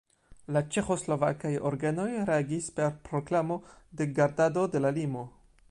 La ĉeĥoslovakaj organoj reagis per proklamo de gardado de la limo.